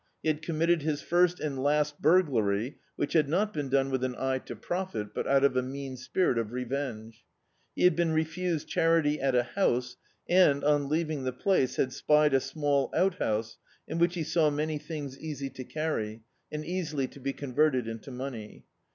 He had committed his first and last burglary, which had not been done with an eye to profit, but out of a mean spirit of revenge. He had been refused charity at a house and, on leaving the place, had spied a small outhouse in which he saw many things easy to carry, and easily to be crai verted into money.